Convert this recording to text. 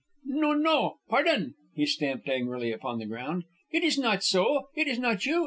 "No! No! Pardon!" He stamped angrily upon the ground. "It is not so. It is not you.